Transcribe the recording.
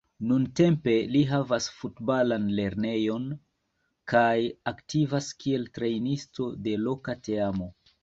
Nuntempe li havas futbalan lernejon kaj aktivas kiel trejnisto de loka teamo.